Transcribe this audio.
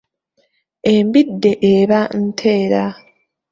Embidde eba nteera.